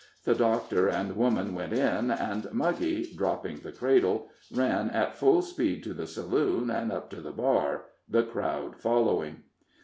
The doctor and woman went in, and Muggy, dropping the cradle, ran at full speed to the saloon, and up to the bar, the crowd following.